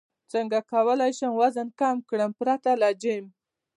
څنګه کولی شم وزن کم کړم پرته له جیم